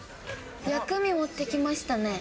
薬味持ってきましたね。